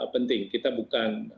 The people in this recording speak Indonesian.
penting kita bukan